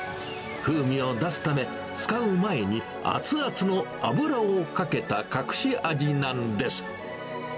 風味を出すため、使う前に熱々の油をかけた隠し味なんです。